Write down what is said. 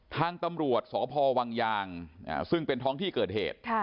ทางตำรวจสพวังยางซึ่งเป็นท้องที่เกิดเหตุ